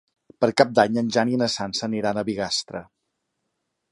Per Cap d'Any en Jan i na Sança aniran a Bigastre.